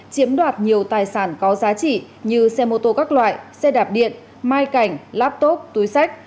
chiếm đoạt nhiều tài sản có giá trị như xe mô tô các loại xe đạp điện mai cảnh laptop túi sách